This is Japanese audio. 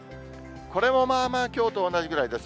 これもまあまあ、きょうと同じくらいです。